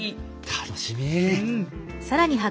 楽しみ。